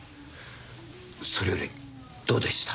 それよりどうでした？